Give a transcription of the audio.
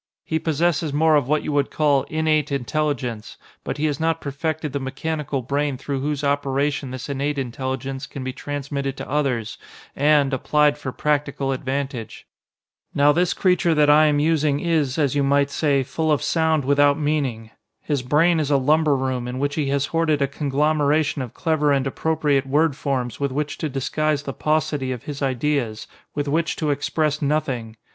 He possesses more of what you would call 'innate intelligence,' but he has not perfected the mechanical brain through whose operation this innate intelligence can be transmitted to others and, applied for practical advantage. "Now this creature that I am using is, as you might say, full of sound without meaning. His brain is a lumber room in which he has hoarded a conglomeration of clever and appropriate word forms with which to disguise the paucity of his ideas, with which to express nothing!